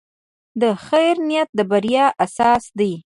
د خیر نیت د بریا اساس دی.